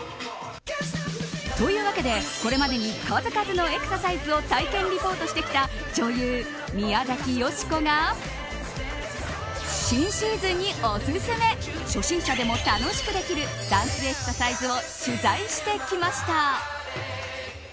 というわけで、これまでに数々のエクササイズを体験リポートしてきた女優、宮崎美子が新シーズンにおすすめ初心者でも楽しくできるダンスエクササイズを取材してきました。